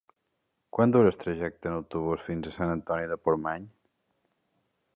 Quant dura el trajecte en autobús fins a Sant Antoni de Portmany?